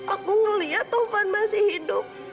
aku melihat tovan masih hidup